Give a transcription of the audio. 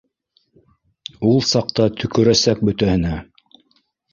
Ул саҡта төкөрәсәк бөтәһенә